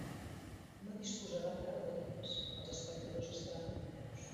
No disposarà de graderies, els espectadors estaran dempeus.